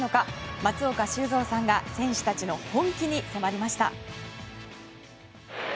松岡修造さんが選手たちの本気に迫りました。